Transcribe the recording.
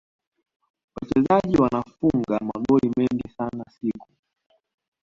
wachezaji wanafunga magoli mengi sana siku